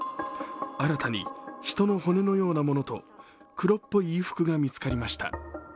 新たに人の骨のようなものと黒っぽい衣服が見つかりました。